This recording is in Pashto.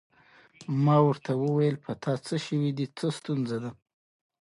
ما ورته وویل: په تا څه شوي دي؟ څه ستونزه ده؟